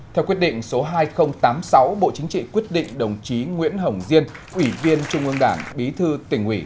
theo quyết định số hai nghìn tám mươi sáu bộ chính trị quyết định đồng chí nguyễn hồng diên ủy viên trung ương đảng bí thư tỉnh ủy